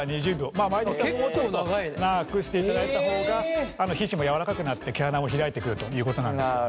まあ場合によったらもうちょっと長くしていただいた方が皮脂も柔らかくなって毛穴も開いてくるということなんですよね。